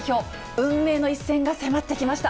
運命の一戦が迫ってきました。